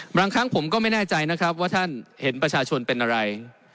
บางครั้งผมก็ไม่แน่ใจนะครับว่าท่านเห็นประชาชนเป็นอะไร